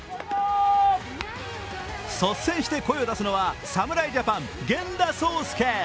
率先して声を出すのは侍ジャパン・源田壮亮。